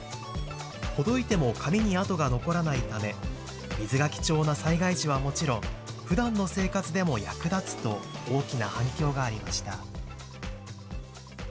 ほどいても髪にあとが残らないため水が貴重な災害時はもちろんふだんの生活でも役立つと大きな反響がありました。